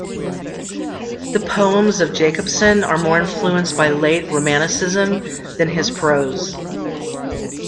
The poems of Jacobsen are more influenced by late romanticism than his prose.